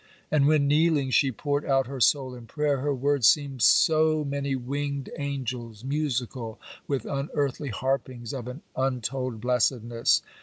And when, kneeling, she poured out her soul in prayer, her words seemed so many winged angels, musical with unearthly harpings of an untold blessedness.